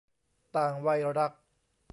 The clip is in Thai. ต่างวัยรัก